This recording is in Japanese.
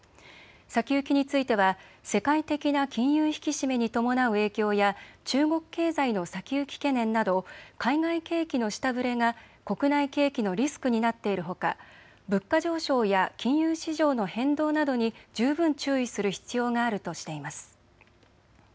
先行きについては世界的な金融引き締めに伴う影響や中国経済の先行き懸念など海外景気の下振れが国内景気のリスクになっているほか物価上昇や金融市場の変動などに十分注意する必要があるとしています。